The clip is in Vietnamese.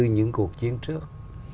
những cuộc chiến trước